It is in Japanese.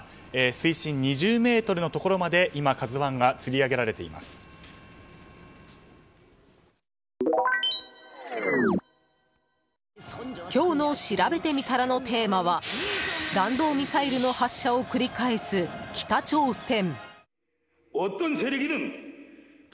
水深２０ｍのところまで「ＫＡＺＵ１」が今日のしらべてみたらのテーマは弾道ミサイルの発射を繰り返す北朝鮮。